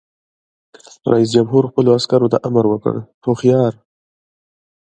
رئیس جمهور خپلو عسکرو ته امر وکړ؛ هوښیار!